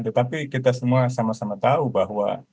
tetapi kita semua sama sama tahu bahwa